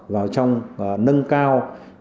vào trong nâng cao